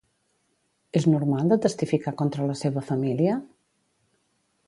És normal de testificar contra la seva família?